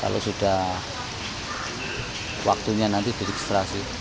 kalau sudah waktunya nanti diregistrasi